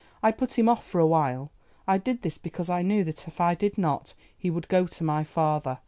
I put him off for a while; I did this because I knew that if I did not he would go to my father.